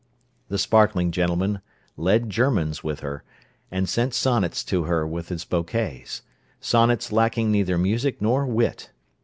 The sparkling gentleman "led germans" with her, and sent sonnets to her with his bouquets—sonnets lacking neither music nor wit.